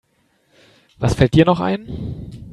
Was fällt dir noch ein?